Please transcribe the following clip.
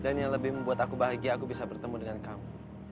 dan yang lebih membuat aku bahagia aku bisa bertemu dengan kamu